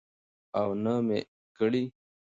او نه مې کړى.